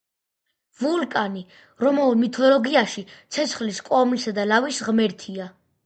ვულკანი რომაულ მითოლოგიაში ცეცხლის, კვამლისა და ლავის ღმერთია.